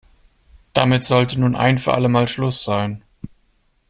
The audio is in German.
Damit sollte nun ein für alle Mal Schluss sein.